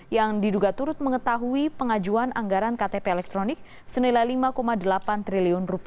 yang diduga turut mengetahui pengajuan anggaran ktp elektronik senilai rp lima delapan triliun